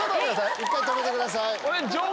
一回止めてください。